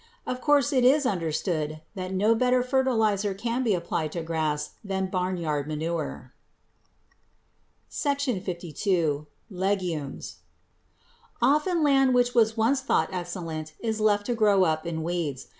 Of course it is understood that no better fertilizer can be applied to grass than barnyard manure. SECTION LII. LEGUMES Often land which was once thought excellent is left to grow up in weeds.